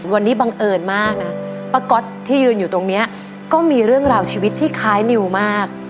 วันนี้บังเอิญมากนะป้าก๊อตที่ยืนอยู่ตรงนี้ก็มีเรื่องราวชีวิตที่คล้ายนิวมาก